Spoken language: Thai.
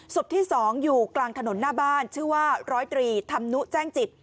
ศพที่๒อยู่กลางถนนหน้าบ้านชื่อว่าร้อยตรีธรรมนุแจ้งจิต